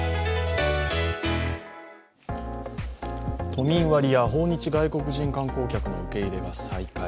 都民割や訪日観光客の受け入れが再開。